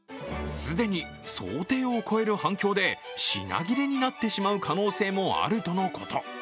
既に想定を超える範囲で品切れになってしまう可能性もあるとのこと。